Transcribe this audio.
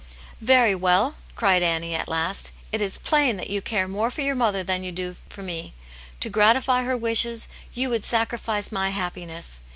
"Very well!" cried Annie, at last. "It is plain that you care more for your mother than you do for me. To gratify her wishes you would sacrifice my happiness.